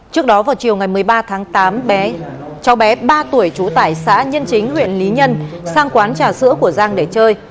trước đó vào chiều ngày một mươi ba tháng tám bé cháu bé ba tuổi trú tại xã nhân chính huyện lý nhân sang quán trà sữa của giang để chơi